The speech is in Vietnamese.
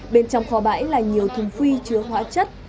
bên trong kho bãi là nhiều thùng phi chứa hóa chất